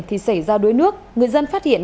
thì xảy ra đuôi nước người dân phát hiện